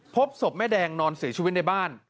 พบศพแม่แดงนอนเสียชีวิตในบ้าน